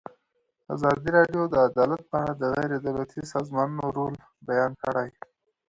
ازادي راډیو د عدالت په اړه د غیر دولتي سازمانونو رول بیان کړی.